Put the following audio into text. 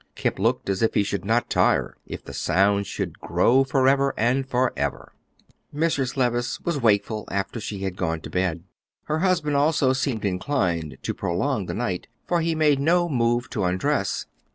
Kemp looked as if he would not tire if the sound should "grow forever and forever." Mrs. Levice was wakeful after she had gone to bed. Her husband also seemed inclined to prolong the night, for he made no move to undress.